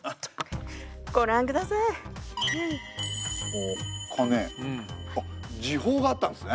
おお鐘あっ時報があったんですね！